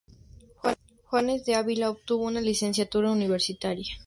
Juanes de Ávila obtuvo una licenciatura universitaria.